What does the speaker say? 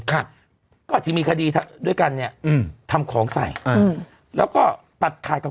ครับก็อาจจะมีคดีด้วยกันเนี้ยอืมทำของใส่อืมแล้วก็ตัดขาดกับ